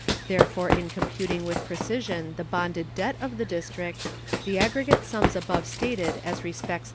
Therefore in computing with precision the bonded debt of the District the aggregate sums above stated as respects 3.